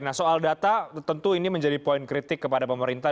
nah soal data tentu ini menjadi poin kritik kepada pemerintah